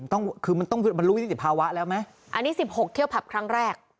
ต้องคือมันต้องมันรู้วินิติภาวะแล้วไหมอันนี้สิบหกเที่ยวผับครั้งแรก